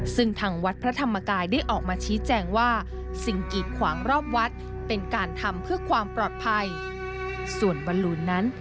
ซึ่งทางวัดพระธรรมกายได้ออกมาชี้แจงว่าสิ่งกีดขวางรอบวัดเป็นการทำเพื่อความปลอดภัยส่วนบอลลูนนั้น